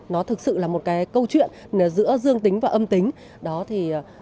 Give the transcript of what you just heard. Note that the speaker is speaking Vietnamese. nó thực sự là một câu chuyện giữa dương tính và âm tính